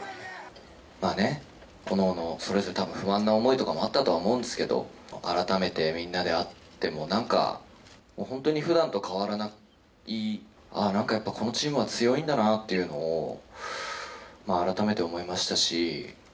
おのおの、それぞれ不安な思いとかもあったとは思うんですけど、改めてみんなで会ってもなんか本当にふだんと変わらない、ああ、やっぱこのチームは強いんだなっていうのを改めて思いましたし。